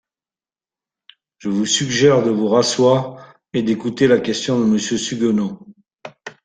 Je vous suggère de vous rasseoir et d’écouter la question de Monsieur Suguenot.